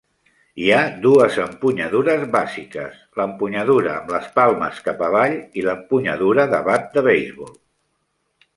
Hi ha dues empunyadures bàsiques: l'empunyadura amb les palmes cap avall i l'empunyadura de bat de beisbol.